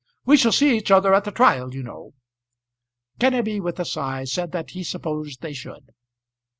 We shall see each other at the trial you know." Kenneby with a sigh said that he supposed they should.